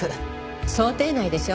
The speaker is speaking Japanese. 想定内でしょ。